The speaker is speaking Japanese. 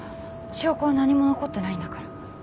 証拠は何も残ってないんだから。